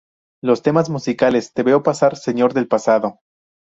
Los temas musicales "Te veo pasar", "Señor del pasado".